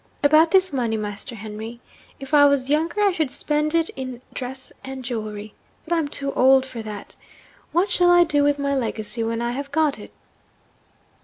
About this money, Master Henry? If I was younger I should spend it in dress and jewellery. But I'm too old for that. What shall I do with my legacy when I have got it?'